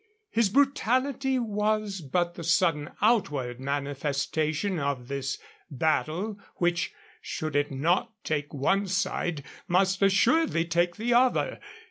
His brutality was but the sudden outward manifestation of this battle, which, should it not take one side, must assuredly take the other.